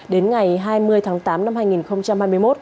đến ngày hai mươi tháng tám năm hai nghìn hai mươi một